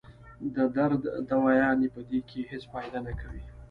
د درد دوايانې پۀ دې کښې هېڅ فائده نۀ کوي